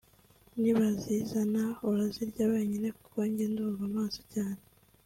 nibazizana urazirya wenyine kuko njye ndumva mpaze cyane